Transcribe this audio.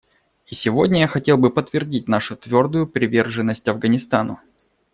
И сегодня я хотел бы подтвердить нашу твердую приверженность Афганистану.